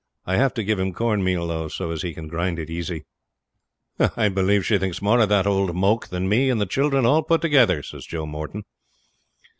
I have to give him corn meal, though, so as he can grind it easy.' 'I believe she thinks more of that old moke than me and the children all put together,' says Joe Moreton.